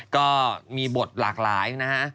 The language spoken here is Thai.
ก็มีบทหลากหลายนะฮะ